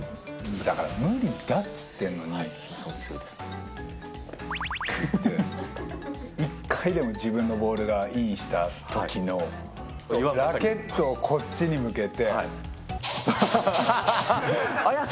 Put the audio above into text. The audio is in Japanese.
だから無理だっつってんのに、一回でも自分のボールがインしたときの、ラケットをこっちに向けて。